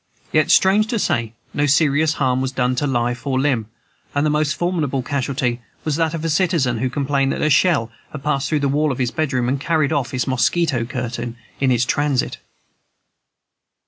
Yet, strange to say, no serious harm was done to life or limb, and the most formidable casualty was that of a citizen who complained that a shell had passed through the wall of his bedroom, and carried off his mosquito curtain in its transit.